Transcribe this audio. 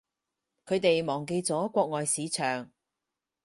佢哋忘記咗國外市場